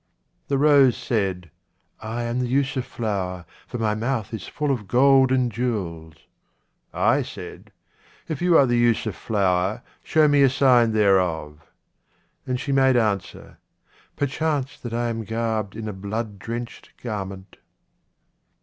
The rose said, " 1 am the Yusuf flower, for my mouth is full of gold and jewels." I said, " If you are the Yusuf flower, show me a sign thereof." And she made answer, " Per chance that I am garbed in a blood drenched garment."